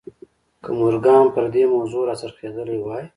که مورګان پر دې موضوع را څرخېدلی وای.